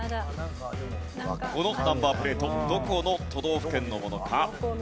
このナンバープレートどこの都道府県のものか？